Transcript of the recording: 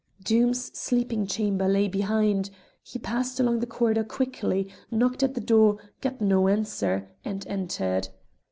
Doom's sleeping chamber lay behind; he passed along the corridor quickly, knocked at the door, got no answer, and entered.